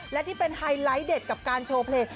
และที่เป็นไฮไลท์เด็ดกับการโชว์เพลง